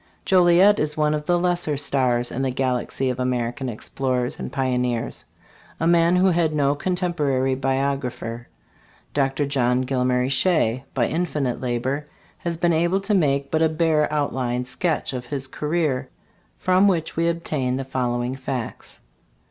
Joliet is one of "the lesser stars in the galaxy of American explorers and pioneers," a man who had no cotemporary biographer. Dr. John Gil mary Shea, by infinite labor, has been able to make but a bare outline sketch of his career, from which we obtain the following facts.